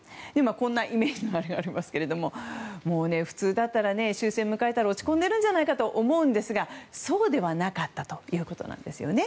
こんなイメージもありますが普通だったら、終戦を迎えたら落ち込んでるんじゃないかと思うんですがそうではなかったということですね。